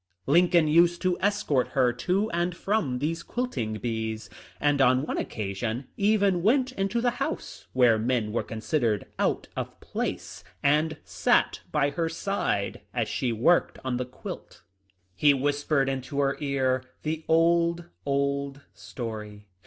Lincoln used to escort her to and from these quilting bees, and on one occasion even went into the house — where men were considered out of place — and sat by her side as she worked on the quilt. "^He whispered into her ear the old, old story.